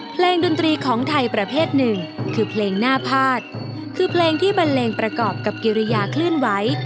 ดนตรีของไทยประเภทหนึ่งคือเพลงหน้าพาดคือเพลงที่บันเลงประกอบกับกิริยาเคลื่อนไหว